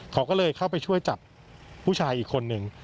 เขาก็เลยเข้าไปช่วยจับผู้ชายอีกคนนึง